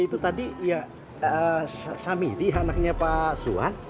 itu tadi ya samidi anaknya pak suwan